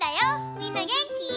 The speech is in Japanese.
みんなげんき？